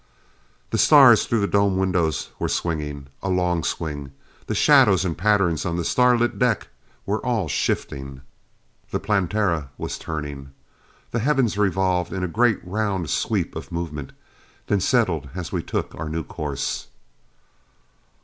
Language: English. The stars through the dome windows were swinging. A long swing the shadows and patterns on the starlit deck were all shifting. The Planetara was turning. The heavens revolved in a great round sweep of movement, then settled as we took our new course.